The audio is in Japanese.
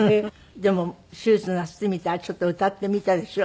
でも手術なすってみてちょっと歌ってみたでしょ？